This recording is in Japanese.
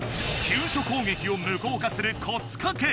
急所攻撃を無効化するコツカケ